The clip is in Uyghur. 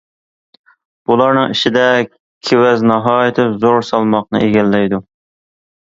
بۇلارنىڭ ئىچىدە كېۋەز ناھايىتى زور سالماقنى ئىگىلەيدۇ.